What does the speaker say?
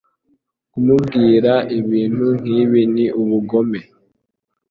Kumubwira ibintu nkibi ni ubugome.